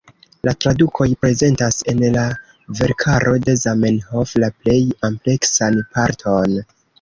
La tradukoj prezentas en la verkaro de Zamenhof la plej ampleksan parton.